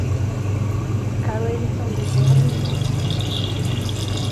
Calerison Bezerra Mendonca